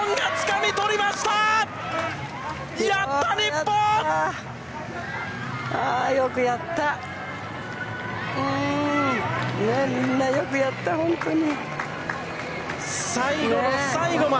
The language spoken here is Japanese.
みんなよくやった本当に。